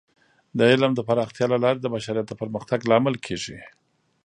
د علم د پراختیا له لارې د بشریت د پرمختګ لامل کیږي.